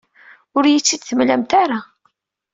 Ur iyi-tt-id-temlamt ara.